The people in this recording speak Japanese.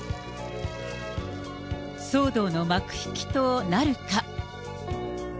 騒動の幕引きとなるか。